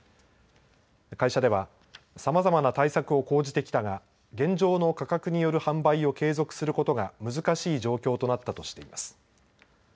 会社ではさまざまな対策を講じてきたが現状の価格による販売を継続することが難しい状況となったとしています。